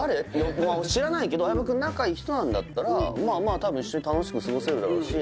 「知らないけど相葉くん仲いい人なんだったら」「まあまあ多分一緒に楽しくすごせるだろうし」